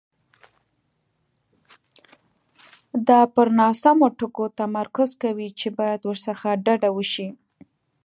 دا پر ناسمو ټکو تمرکز کوي چې باید ورڅخه ډډه وشي.